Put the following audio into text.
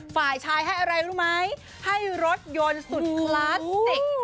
ฝ่ายชายให้อะไรรู้ไหมให้รถยนต์สุดคลาสสิก